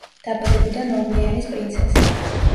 დაბადებიდან ორლეანის პრინცესა.